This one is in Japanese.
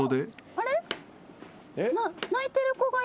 あれ？